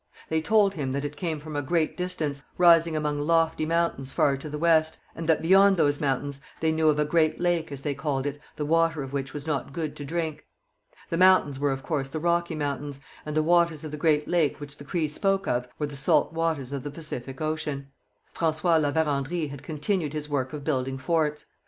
They told him that it came from a great distance, rising among lofty mountains far to the west, and that beyond those mountains they knew of a great lake, as they called it, the water of which was not good to drink. The mountains were of course the Rocky Mountains, and the waters of the great lake which the Crees spoke of were the salt waters of the Pacific ocean. François La Vérendrye had continued his work of building forts.